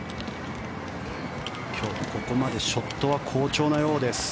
今日、ここまでショットは好調なようです。